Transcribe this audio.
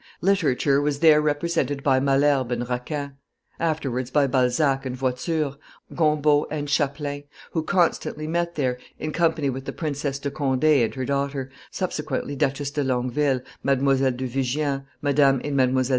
Literature was there represented by Malherbe and Racan, afterwards by Balzac and Voiture, Gombault and Chapelain, who constantly met there, in company with Princess de Conde and her daughter, subsequently Duchess de Longueville, Mademoiselle du Vigean, Madame and Mdlle.